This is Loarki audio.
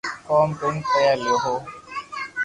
ڪوم ڪرين پيا ليو ھون